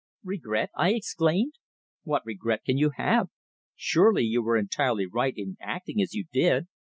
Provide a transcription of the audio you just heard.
"Regret!" I exclaimed. "What regret can you have? Surely you were entirely right in acting as you did?